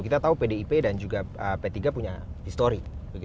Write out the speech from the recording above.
kita tahu pdip dan juga p tiga punya histori